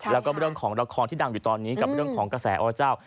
แล้วก็เรื่องของละครที่ดังอยู่ตอนนี้กับเรื่องของกระแสอเจ้า